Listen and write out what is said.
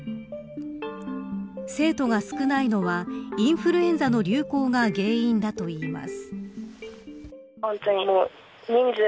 生徒が少ないのはインフルエンザの流行が原因だといいます。